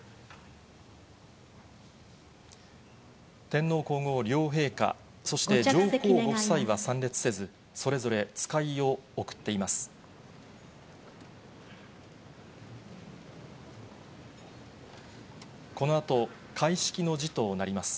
天皇皇后両陛下、そして上皇ご夫妻は参列せず、それぞれ使いを送っています。